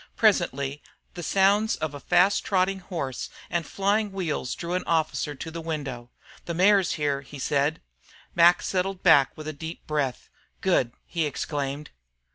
Presently the sounds of a fast trotting horse and flying wheels drew an officer to the window. "The mayor's here," he said. Mac settled back with a deep breath. "Good!" he exclaimed.